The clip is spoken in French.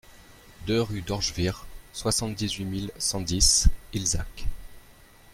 deux rue d'Orschwihr, soixante-huit mille cent dix Illzach